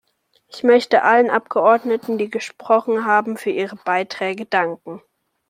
Ich möchte allen Abgeordneten, die gesprochen haben, für ihre Beiträge danken.